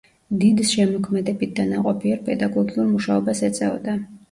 დიდს შემოქმედებით და ნაყოფიერ პედაგოგიურ მუშაობას ეწეოდა.